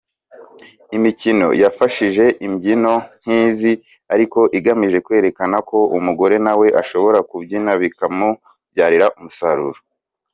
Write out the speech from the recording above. Imikino yifashishije imbyino nk’izi ariko igamije kwerekana ko umugore nawe ashobora kubyina bikamubyarira umusaruro